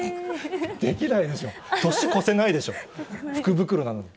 できないでしょ、年越せないでしょ、福袋なのに。